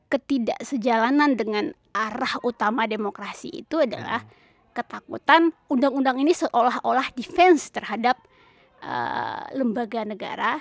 ketidaksejalanan dengan arah utama demokrasi itu adalah ketakutan undang undang ini seolah olah defense terhadap lembaga negara